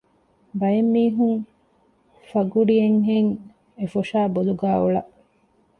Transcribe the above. ބައެއް މީހުން ފަގުޑިއެއްހެން އެފޮށާ ބޮލުގައި އޮޅަ